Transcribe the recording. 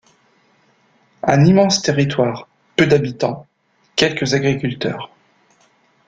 Un immense territoire, peu d'habitants, quelques agriculteurs.